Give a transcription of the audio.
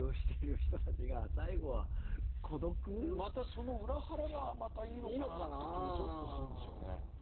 その裏腹がまたいいのかなって気もちょっとするんですよね。